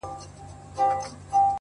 په سپينه زنه كي خال ووهي ويده سمه زه ـ